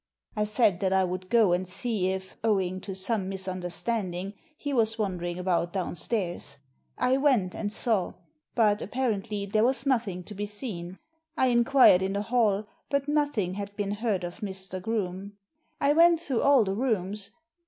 I said that I would go and see if, owing to some misunderstanding, he was wandering about down stairs. I went and saw. But, apparently, there was nothing to be seen. I inquired in the hall, but nothing had been heard of Mr. Groome. I went through all the rooms.